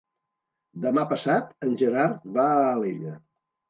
Demà passat en Gerard va a Alella.